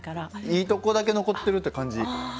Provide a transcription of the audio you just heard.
いいとこだけ残ってるって感じ。